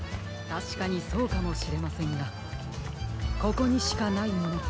たしかにそうかもしれませんがここにしかないもの